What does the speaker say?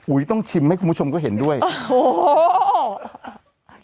ต้องชิมให้คุณผู้ชมก็เห็นด้วยโอ้โห